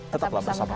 tetaplah bersama kami